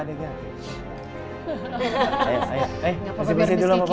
eh bersih bersih dulu ma'a pa